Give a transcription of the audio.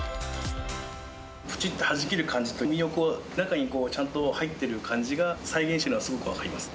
ぷちってはじける感じと、身をこう、中にちゃんと入ってる感じが、再現したのはすごく分かりますね。